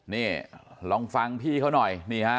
นี่ลองฟังพี่เขาหน่อย